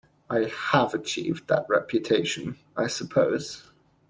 I have achieved that reputation, I suppose.